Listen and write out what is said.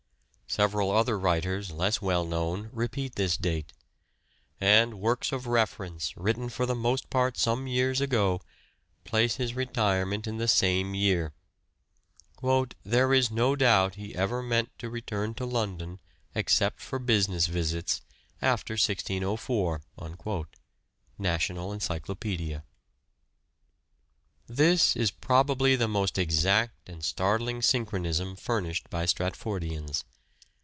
Several other writers, less well known, repeat this date ; and works of reference, written for the most part some years ago, place his retirement in the same year :" There is no doubt he never meant to return to London, except for business visits after 1604" (National Encyclopedia). This is probably the most exact and startling synchronism furnished by Stratfordians.